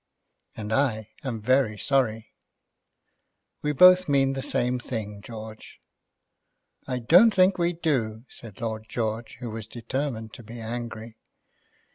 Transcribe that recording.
"And I am very sorry." "We both mean the same thing, George." "I don't think we do," said Lord George, who was determined to be angry.